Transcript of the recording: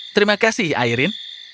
terima kasih airin